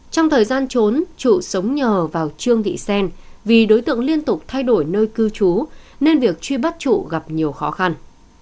trong thời gian trốn chủ sống nhờ vào trương thị xen vì đối tượng liên tục thay đổi nơi cư trú nên việc truy bắt trụ gặp nhiều khó khăn